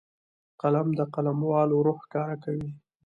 قلم د قلموالو روح ښکاره کوي